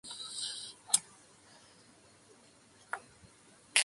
এই প্রযুক্তিটি বেশিরভাগই সাবমেরিনের চাপ হুল এবং আউট-ফিটিং নির্মাণের সাথে সম্পর্কিত ছিল।